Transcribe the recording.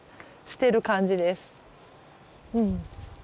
うん